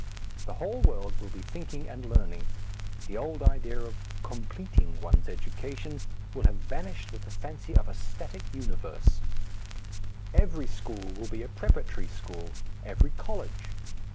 The whole world will be thinking and learning; the old idea of "completing" one's education will have vanished with the fancy of a static universe; every school will be a preparatory school, every college.